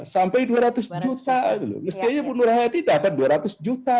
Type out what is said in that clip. sampai dua ratus juta mestinya ibu nur hayati dapat dua ratus juta